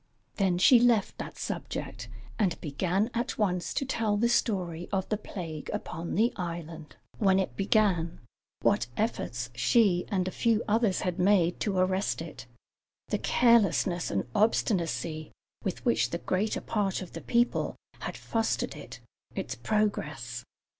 Then she left that subject, and began at once to tell the story of the plague upon the island when it began, what efforts she and a few others had made to arrest it, the carelessness and obstinacy with which the greater part of the people had fostered it, its progress.